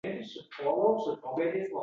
Qutqu solgan — shul odam!»